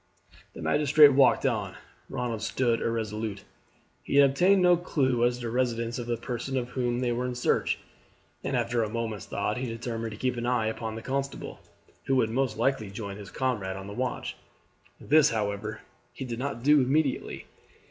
The magistrate walked on. Ronald stood irresolute. He had obtained no clue as to the residence of the person of whom they were in search, and after a moment's thought he determined to keep an eye upon the constable, who would most likely join his comrade on the watch. This, however, he did not do immediately.